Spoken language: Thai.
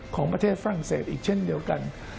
ของประเทศฝรั่งเศสอีกเช่นเดียวกัน